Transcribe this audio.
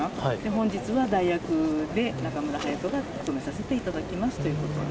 本日は代役で、中村隼人が務めさせていただきますということで。